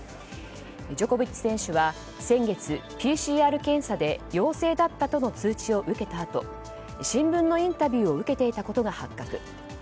ジョコビッチ選手は先月、ＰＣＲ検査で陽性だったとの通知を受けたあと新聞のインタビューを受けていたことが発覚。